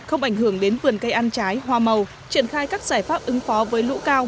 không ảnh hưởng đến vườn cây ăn trái hoa màu triển khai các giải pháp ứng phó với lũ cao